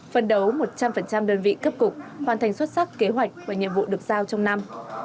phân đấu một trăm linh đơn vị cấp cục hoàn thành xuất sắc kế hoạch và nhiệm vụ được giao trong năm